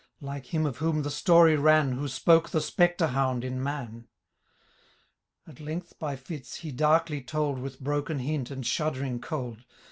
Like him of whom the story ran. Who spoke the spectre hound in Man.^ At length, by fits, he darkly told. With broken hint and shuddering cold...